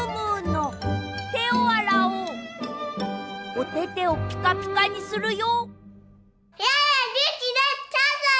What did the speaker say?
おててをピカピカにするよ。